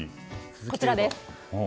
こちらです。